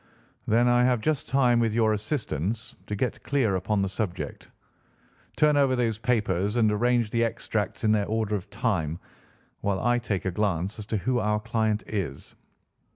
"Then I have just time, with your assistance, to get clear upon the subject. Turn over those papers and arrange the extracts in their order of time, while I take a glance as to who our client is."